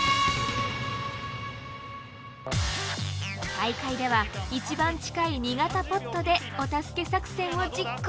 大会では一番近い２型ポットでお助け作戦を実行。